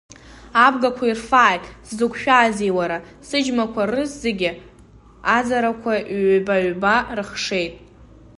Абгақәа ирфааит, сзықәшәазеи, уара, сыџьмақәа рызегьы аӡарақәа ҩба-ҩба рыхшеит.